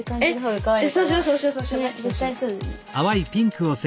かわいい。